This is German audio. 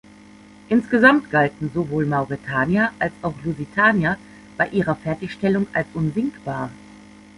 Insgesamt galten sowohl "Mauretania" als auch "Lusitania" bei ihrer Fertigstellung als „unsinkbar“.